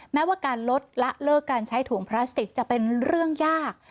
แม้ว่าการลดละเลิกการใช้ถุงพลาสติกจะเป็นเรื่องยาก